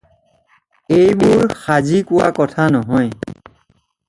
এইবোৰ সাজি কোৱা কথা নহয়।